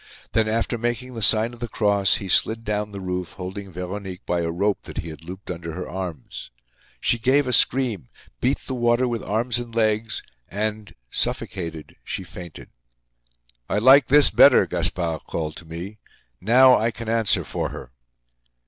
Then, after making the sign of the cross, he slid down the roof, holding Veronique by a rope that he had looped under her arms. She gave a scream, beat the water with arms and legs, and, suffocated, she fainted. "I like this better!" Gaspard called to me. "Now, I can answer for her!"